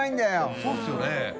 そうですよね。